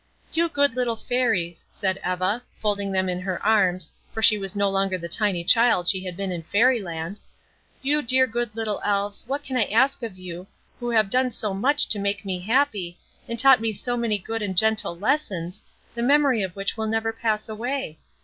"You good little Fairies," said Eva, folding them in her arms, for she was no longer the tiny child she had been in Fairy Land, "you dear good little Elves, what can I ask of you, who have done so much to make me happy, and taught me so many good and gentle lessons, the memory of which will never pass away?